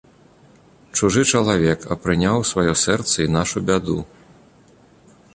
Чужы чалавек, а прыняў у сваё сэрца і нашу бяду.